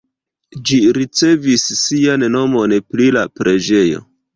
Ĝi ricevis sian nomon pri la preĝejo.